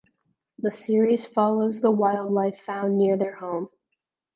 The series follows the wildlife found near their home.